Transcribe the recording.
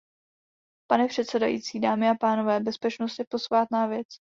Pane předsedající, dámy a pánové, bezpečnost je posvátná věc.